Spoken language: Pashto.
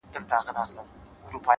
o راسه قباله يې درله در کړمه؛